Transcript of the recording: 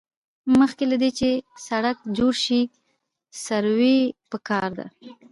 مخکې له دې چې سړک جوړ شي سروې پکار ده